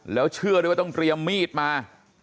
แล้วเชื่อด้วยว่าต้องเตรียมมีดมา